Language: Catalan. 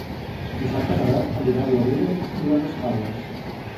Dissabte na Beth anirà a Boadella i les Escaules.